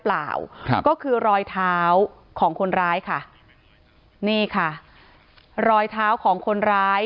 เปล่าครับก็คือรอยเท้าของคนร้ายค่ะนี่ค่ะรอยเท้าของคนร้าย